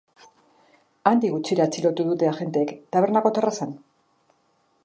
Handik gutxira atxilotu dute agenteek, tabernako terrazan.